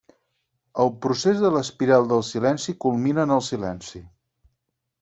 El procés de l'espiral del silenci culmina en el silenci.